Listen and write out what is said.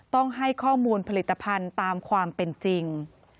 ต้องให้ข้อมูลผลิตภัณฑ์ตามความเป็นจริง